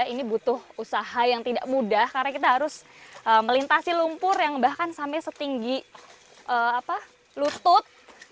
ini butuh usaha yang tidak mudah karena kita harus melintasi lumpur yang bahkan sampai setinggi lutut